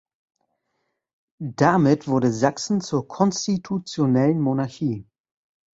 Damit wurde Sachsen zur konstitutionellen Monarchie.